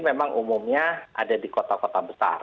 memang umumnya ada di kota kota besar